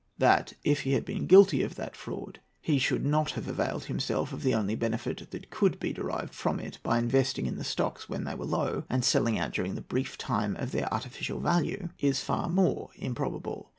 That, if he had been guilty of that fraud, he should not have availed himself of the only benefit that could be derived from it by investing in the stocks when they were low and selling out during the brief time of their artificial value, is far more improbable.